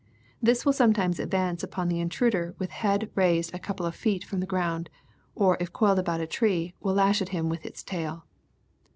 This will sometimes advance upon the intruder with head raised a couple of feet from the ground, or if coiled about a tree will lash at him with its tail.